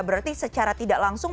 berarti secara tidak langsung